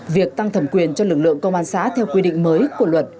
việc tăng thẩm quyền cho lực lượng công an xã theo quy định mới của luật